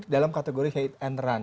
dalam kategori hate and run